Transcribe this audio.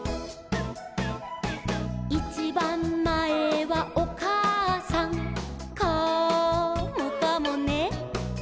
「いちばんまえはおかあさん」「カモかもね」